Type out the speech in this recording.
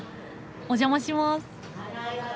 お邪魔します。